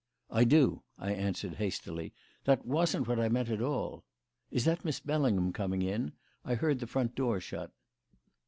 "I do," I answered hastily. "That wasn't what I meant at all. Is that Miss Bellingham coming in? I heard the front door shut."